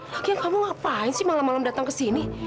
hakim kamu ngapain sih malam malam datang ke sini